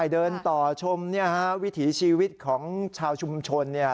เดินต่อชมวิถีชีวิตของชาวชุมชน